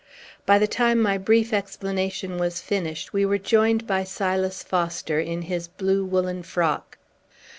By the time my brief explanation was finished, we were joined by Silas Foster in his blue woollen frock.